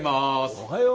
おはよう。